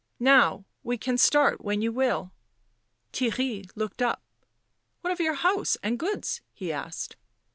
Now, we can start when you will." Theirry looked up. " What of your house and goods?" he asked.